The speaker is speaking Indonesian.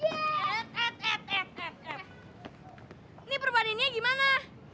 ini perbandingannya gimana